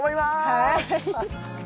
はい。